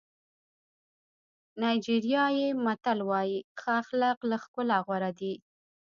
نایجیریایي متل وایي ښه اخلاق له ښکلا غوره دي.